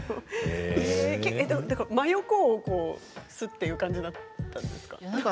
真横をすっという感じだったんですか。